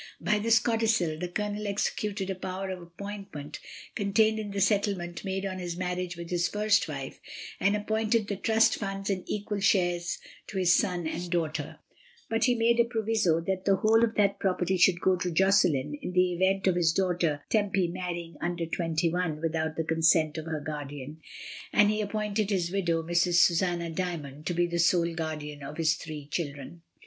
By this codicil, the Colonel executed a power of appointment con tained in the settlement made on his marriage with his first vif'S, and appointed the trust funds in equal shares to his son and daughter; but he made a proviso that the whole of that property should go to Josselin in the event of his daughter Tempy marrying under twenty one without the consent of her guardian; and he appointed his widow, Mrs. Susanna Djrmond, to be the sole guardian of his three children.